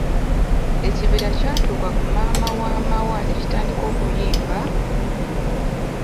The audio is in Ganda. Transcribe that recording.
Ekibira kyatuuka ku maama wa Maawa ne kitandika okuyimba,